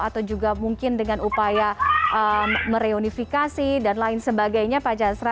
atau juga mungkin dengan upaya mereunifikasi dan lain sebagainya pak jasra